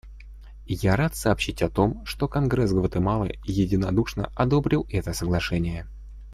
Я рад сообщить о том, что Конгресс Гватемалы единодушно одобрил это Соглашение.